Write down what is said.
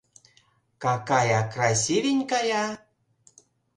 Какая красивенькая.